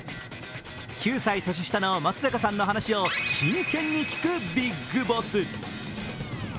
９歳年下の松坂さんの話を真剣に聞くビッグボス。